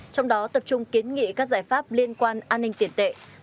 trong đó tập trung kiến nghị các giải pháp liên quan an ninh tiền tệ